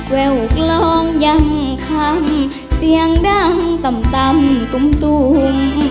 แววกลองย่ำคำเสียงดังต่ำต่ำตุ่มตุ่ม